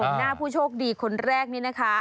หน้าผู้โชคดีคนแรกนี่นะคะ